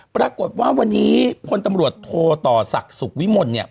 ปรากฏว่าวันนี้พลตำรวจโทต่อศักดิ์สุขวิมลเนี่ย